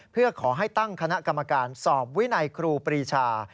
เพื่อขอให้ตั้งคณะกรรมการสอบวินัยครูปรีชา